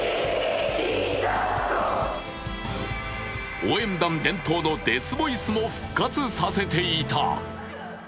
応援団伝統のデスボイスも復活させていた。